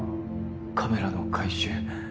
カメラの回収。